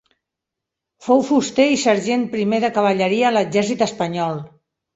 Fou fuster i sergent primer de cavalleria a l'Exèrcit Espanyol.